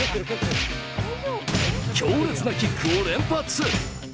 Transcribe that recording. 強烈なキックを連発。